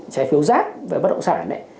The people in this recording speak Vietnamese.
sẻ phiếu giáp và bất động sản